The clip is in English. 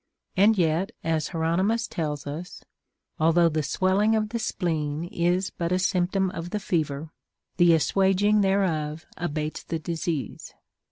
And yet, as Hieronymus tells us, although the swelling of the spleen is but a symptom of the fever, the assuaging thereof abates the disease.